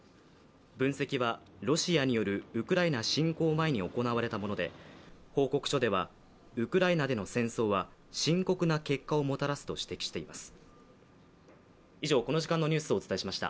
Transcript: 分析はロシアによるウクライナ侵攻前に行われたもので報告書では、ウクライナでの戦争は深刻な結果をもたらすとしています。